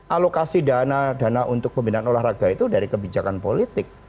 alokasi dana dana untuk pembinaan olahraga itu dari kebijakan politik